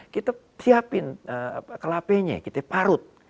kita siapin kelapenya kita parut